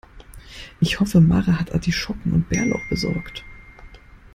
Ich hoffe, Mara hat Artischocken und Bärlauch besorgt.